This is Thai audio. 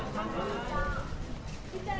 สวัสดีครับ